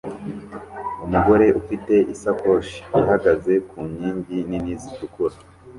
Umugore ufite isakoshi ihagaze ku nkingi nini zitukura